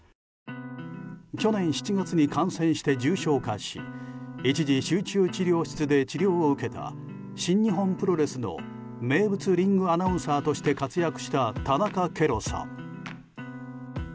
去年７月に感染して重症化し一時、集中治療室で治療を受けた新日本プロレスの名物リングアナウンサーとして活躍した田中ケロさん。